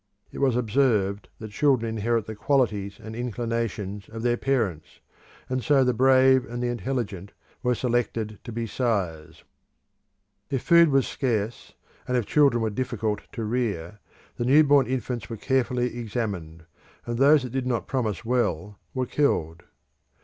It was observed that children inherit the qualities and inclinations of their parents, and so the brave and the intelligent were selected to be sires. If food was scarce and if children were difficult to rear, the new born infants were carefully examined, and those that did not promise well were killed.